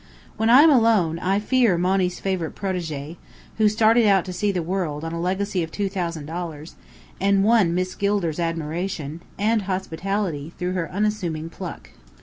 When I am alone, I fear Monny's favourite protégée, who started out to "see the world" on a legacy of two thousand dollars, and won Miss Gilder's admiration (and hospitality) through her unassuming pluck.